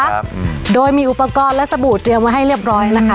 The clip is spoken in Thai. ครับโดยมีอุปกรณ์และสบู่เตรียมไว้ให้เรียบร้อยแล้วค่ะ